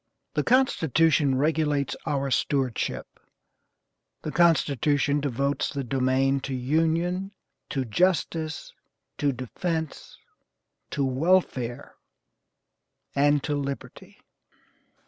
The Constitution regulates our stewardship; the Constitution devotes the domain to union, to justice, to defence, to welfare, and to liberty."